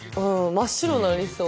真っ白になりそう。